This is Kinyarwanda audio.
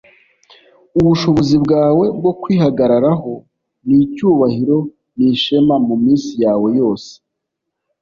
ubushobozi bwawe bwo kwihagararaho n'icyubahiro n'ishema muminsi yawe yose,